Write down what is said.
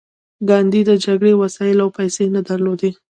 ګاندي د جګړې وسایل او پیسې نه درلودې